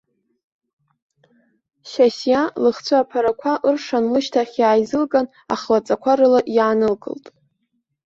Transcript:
Шьасиа лыхцәы аԥарақәа ыршан лышьҭахь иааизылган, ахлаҵақәа рыла иаанылкылт.